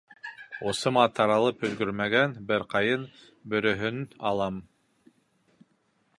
Усыма таралып өлгөрмәгән бер ҡайын бө-рөһөн алам.